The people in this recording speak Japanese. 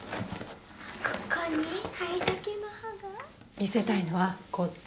見せたいのはこっち。